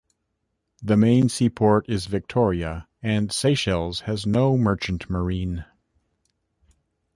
The main seaport is Victoria, and Seychelles has no merchant marine.